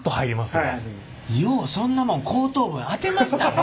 ようそんなもん後頭部へ当てましたね。